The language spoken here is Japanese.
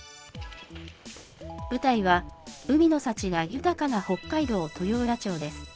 舞台は海の幸が豊かな北海道豊浦町です。